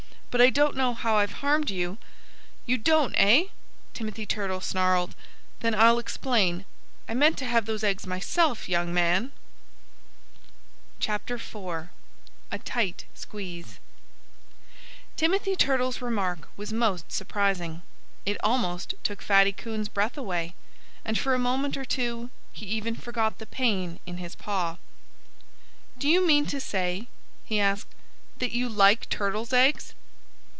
"But I don't know how I've harmed you." "You don't, eh?" Timothy Turtle snarled. "Then I'll explain. I meant to have those eggs myself, young man!" IV A TIGHT SQUEEZE Timothy Turtle's remark was most surprising. It almost took Fatty Coon's breath away. And for a moment or two he even forgot the pain in his paw. "Do you mean to say," he asked, "that you like turtles' eggs!"